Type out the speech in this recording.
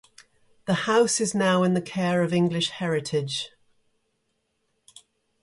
The house is now in the care of English Heritage.